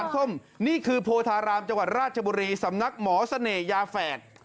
โทษรามจังหวัดราชบุรีสำนักหมอเสน่ห์ยาแฝด